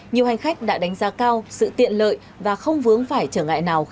nhiều hành khách đã đánh giá cao sự tiện lợi và không vướng phải trở ngại nào